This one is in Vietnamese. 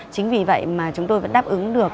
chính vì vậy mà chúng tôi vẫn đáp ứng được